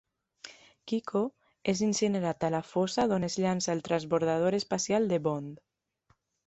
Kiko és incinerat a la fossa d'on es llança el transbordador espacial de Bond.